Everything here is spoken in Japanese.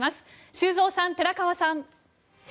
修造さん、寺川さん。